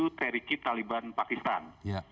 ttp itu teriki talibat pakistan